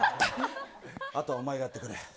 あとはお前がやってくれ。